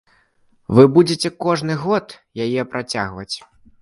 Вы будзеце кожны год яе працягваць?